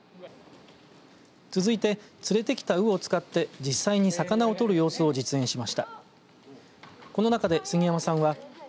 続いて連れてきた鵜を使って実際に魚を取る様子を実演しました。